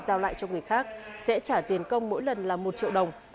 giao lại cho người khác sẽ trả tiền công mỗi lần là một triệu đồng